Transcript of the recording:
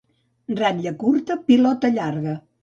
Ratlla curta, pilota llarga.